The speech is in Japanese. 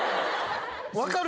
分かる？